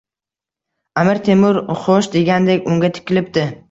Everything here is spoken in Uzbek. Amir Temur “xo’sh” degandek unga tikilibdi.